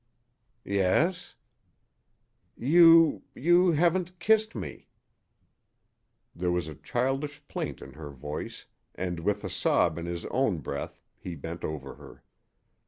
"Yes " "You you haven't kissed me " There was a childish plaint in her voice, and with a sob in his own breath he bent over her.